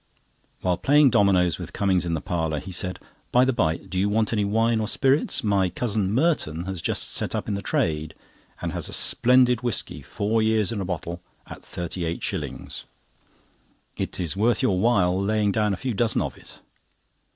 While playing dominoes with Cummings in the parlour, he said: "By the by, do you want any wine or spirits? My cousin Merton has just set up in the trade, and has a splendid whisky, four years in bottle, at thirty eight shillings. It is worth your while laying down a few dozen of it."